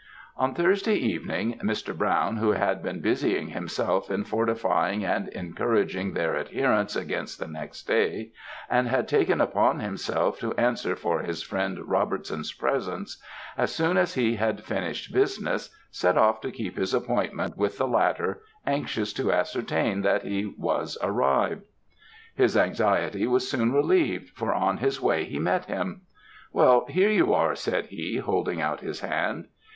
"On Thursday evening, Mr. Brown, who had been busying himself in fortifying and encouraging their adherents against the next day, and had taken upon himself to answer for his friend Robertson's presence, as soon as he had finished business, set off to keep his appointment with the latter, anxious to ascertain that he was arrived. "His anxiety was soon relieved, for on his way he met him. "'Well, here you are,' said he, holding out his hand.